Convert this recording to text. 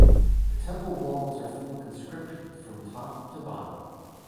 The temple walls are full of inscriptions from top to bottom.